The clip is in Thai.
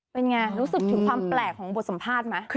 เป็นไงรู้สึกถึงความแปลกของบทสัมภาษณ์ไหม